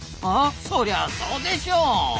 そりゃそうでしょう。